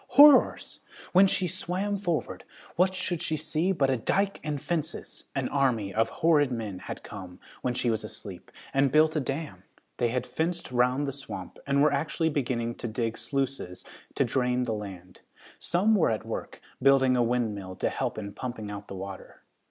Horrors! when she swam forward, what should she see but a dyke and fences! An army of horrid men had come, when she was asleep, and built a dam. They had fenced round the swamp and were actually beginning to dig sluices to drain the land. Some were at work, building a windmill to help in pumping out the water.